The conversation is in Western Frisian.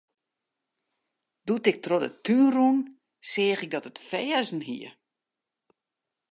Doe't ik troch de tún rûn, seach ik dat it ferzen hie.